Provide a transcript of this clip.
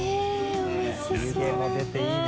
湯気も出ていいね。